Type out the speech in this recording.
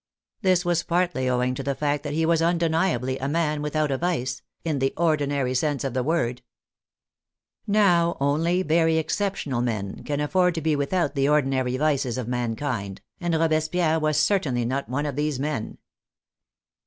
This was partly owing to the fact that he was undeniably a man without a vi(^e (in the ordinary sense of the word), CONCLUSION tig Now only very exceptional men can afford lo be without the ordinary vices of mankind, and Robespierre was cer tainly not one of these men.